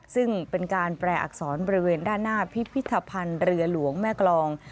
ซึ่งเป็นการแปลอักษรบริเวณด้านหน้าพิพิธภัณฑ์เรือหลวงแม่กรอง